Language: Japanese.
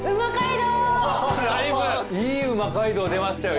いい「うま街道」出ましたよ